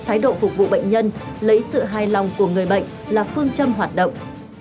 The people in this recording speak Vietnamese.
thái độ phục vụ bệnh nhân lấy sự hài lòng của người bệnh là phương châm hoạt động